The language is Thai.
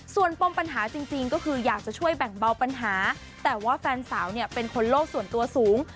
ส่วนปมปัญหาจริงก็คืออยากจะช่วยแบ่งเบาปัญหาแต่ว่าแฟนสาวเนี่ยเป็นคนโลกส่วนตัวสูง